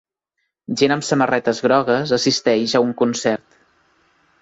Gent amb samarretes grogues assisteix a un concert.